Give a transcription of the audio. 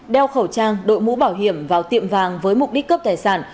đeo khẩu trang đội mũ bảo hiểm vào tiệm vàng với mục đích cướp tài sản